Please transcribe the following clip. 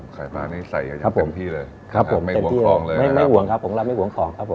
ไข่ปลานี้ใส่กันอย่างเต็มที่เลยครับผมไม่ห่วงของเลยนะครับไม่ห่วงครับผมเราไม่ห่วงของครับผม